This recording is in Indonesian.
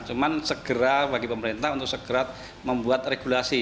cuman segera bagi pemerintah untuk segera membuat regulasi